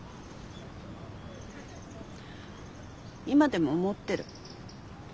今でも思ってる。